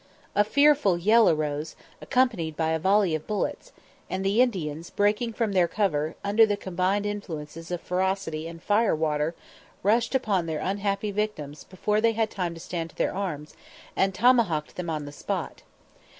A fearful yell arose, accompanied by a volley of bullets, and the Indians, breaking from their cover, under the combined influences of ferocity and "fire water," rushed upon their unhappy victims before they had time to stand to their arms, and tomahawked them on the spot.